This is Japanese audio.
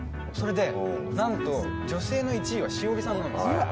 なんと女性の１位は栞里さんなんですよ。